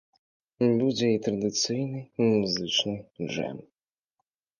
Будзе і традыцыйны музычны джэм.